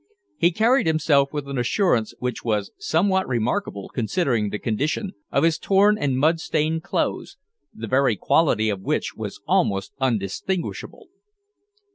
He carried himself with an assurance which was somewhat remarkable considering the condition of his torn and mud stained clothes, the very quality of which was almost undistinguishable.